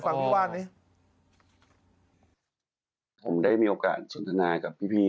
ฟังพี่ว่านนี้ผมได้มีโอกาสสัญญาณกับพี่